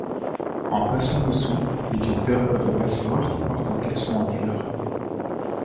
En passant dessous, les visiteurs peuvent apercevoir qu'il porte un caleçon à fleurs.